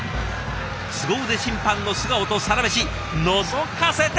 すご腕審判の素顔とサラメシのぞかせて頂きました！